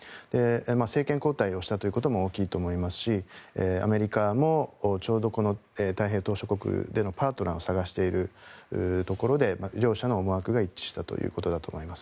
政権交代をしたことも大きいですしアメリカも太平洋島しょ国のパートナーを探しているところで両者の思惑が一致したということだと思います。